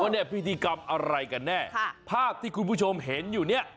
เนี่ยพิธีกรรมอะไรกันแน่ภาพที่คุณผู้ชมเห็นอยู่เนี่ย